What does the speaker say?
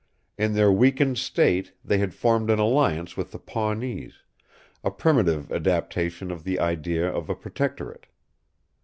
In their weakened state they had formed an alliance with the Pawnees, a primitive adaptation of the idea of a protectorate.